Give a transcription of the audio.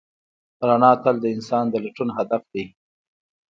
رڼا تل د انسان د لټون هدف دی.